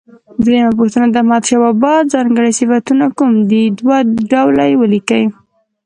درېمه پوښتنه: د احمدشاه بابا ځانګړي صفتونه کوم و؟ دوه ډوله یې ولیکئ.